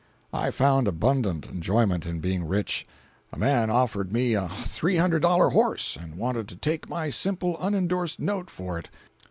I found abundant enjoyment in being rich. A man offered me a three hundred dollar horse, and wanted to take my simple, unendorsed note for it.